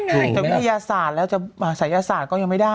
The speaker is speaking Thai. จะมีพยาศาสตร์แล้วจะใส่พยาศาสตร์ก็ยังไม่ได้